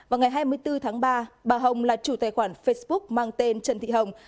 vào ngày hai mươi bốn tháng ba bà hồng là chủ tài khoản facebook mang tên trần thị hồng